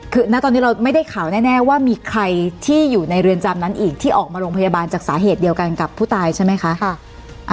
คือณตอนนี้เราไม่ได้ข่าวแน่ว่ามีใครที่อยู่ในเรือนจำนั้นอีกที่ออกมาโรงพยาบาลจากสาเหตุเดียวกันกับผู้ตายใช่ไหมคะ